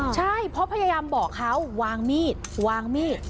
ใช่เพราะพยายามบอกเขาวางมีดวางมีด